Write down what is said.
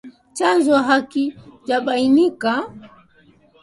Chanzo hakijabainika